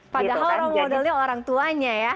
padahal role modelnya orang tuanya ya